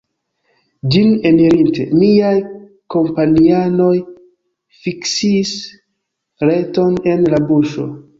Ĝin enirinte, miaj kompanianoj fiksis reton en la buŝo.